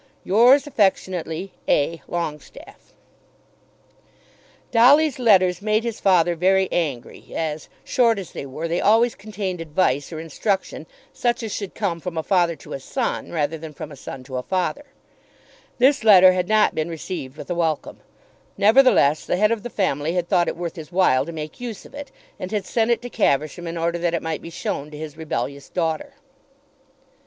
Yours affectionately, A. LONGESTAFFE. Dolly's letters made his father very angry, as, short as they were, they always contained advice or instruction, such as should come from a father to a son, rather than from a son to a father. This letter had not been received with a welcome. Nevertheless the head of the family had thought it worth his while to make use of it, and had sent it to Caversham in order that it might be shown to his rebellious daughter.